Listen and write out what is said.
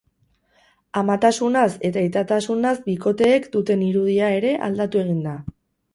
Amatasunaz eta aitatasunaz bikoteek duten irudia ere aldatu egin da.